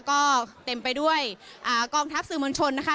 ก็เต็มไปด้วยกองทัพสื่อมวลชนนะคะ